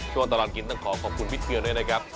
ตลอดกินต้องขอขอบคุณพี่เทือนด้วยนะครับ